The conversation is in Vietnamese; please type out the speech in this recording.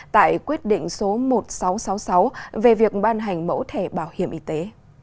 tại quyết định số một nghìn sáu trăm sáu mươi sáu về việc ban hành mẫu thẻ bảo hiểm y tế